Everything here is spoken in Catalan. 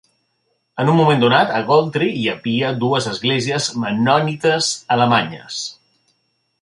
En un moment donat, a Goltry hi havia dues esglésies mennonites alemanyes.